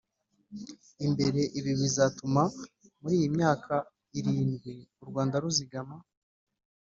Imbere ibi bizatuma muri iyi myaka irindwi u rwanda ruzigama